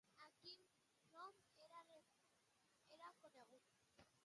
Amb quin nom era conegut?